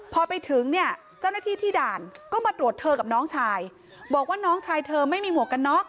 พอไปถึงเนี่ยเจ้าหน้าที่ที่ด่านก็มาตรวจเธอกับน้องชายบอกว่าน้องชายเธอไม่มีหมวกกันน็อก